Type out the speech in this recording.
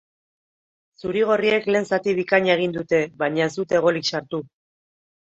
Zuri-gorriek lehen zati bikaina egin dute, baina ez dute golik sartu.